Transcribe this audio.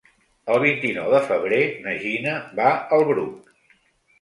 El vint-i-nou de febrer na Gina va al Bruc.